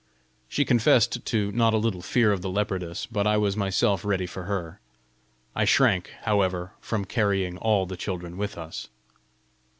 She confessed to not a little fear of the leopardess, but I was myself ready for her. I shrank, however, from carrying ALL the children with us.